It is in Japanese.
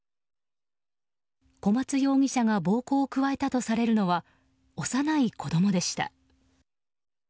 小松容疑者が暴行を加えたとされるのは幼い子供でした。